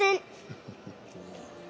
ハハハ。